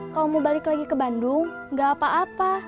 kamu mau balik lagi ke bandung gak apa apa